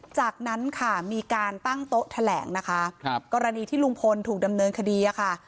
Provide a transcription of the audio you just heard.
จากนั้นค่ะมีการตั้งโต๊ะแถลงนะคะครับกรณีที่ลุงพลถูกดำเนินคดีอะค่ะ